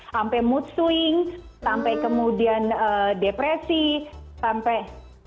sampai mood swing sampai kemudian depresi sampai